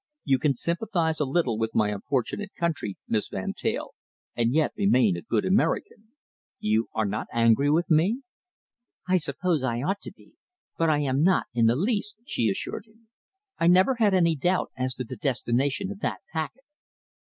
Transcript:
You can sympathise a little with my unfortunate country, Miss Van Teyl, and yet remain a good American. You are not angry with me?" "I suppose I ought to be, but I am not in the least," she assured him. "I never had any doubt as to the destination of that packet."